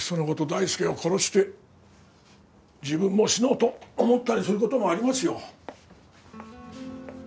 大輔を殺して自分も死のうと思ったりする事もありますよ。